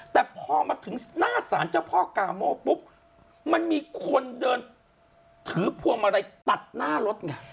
แต่พอมาถึงหน้าสารเจ้าพ่อกาโม่ปุ๊บมันมีคนเดินถือพวงมาลัยตัดหน้ารถไง